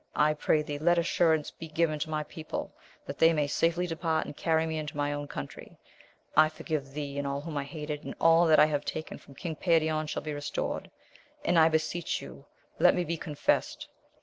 I pray thee, let assur ance be given to my people, that they may safely depart and carry me into my own country. I forgive thee and all whom I hated, and all that I have taken &om King Perion shaWToe ift^\,0T^^,^sAl\i'i's»^^<i?a.'^o\i AMADIS OF GAUL, 59 let 'me be confessed.